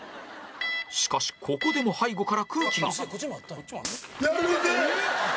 しかしここでも背後から空気がやめて！